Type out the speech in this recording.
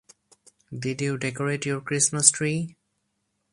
Did you decorate your Christmas tree?